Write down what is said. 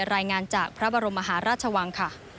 รายงานจากพระบรมมหาราชวังค่ะ